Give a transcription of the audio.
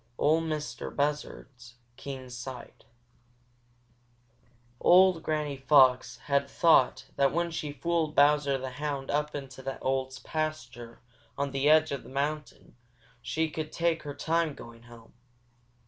Ol' Mistah Buzzard's Keen Sight Old Granny Fox had thought that when she fooled Bowser the Hound up in the old pasture on the edge of the mountain she could take her time going home.